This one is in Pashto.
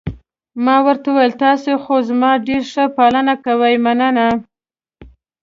ما ورته وویل: تاسي خو زما ډېره ښه پالنه کوئ، مننه.